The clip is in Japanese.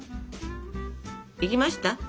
いきました？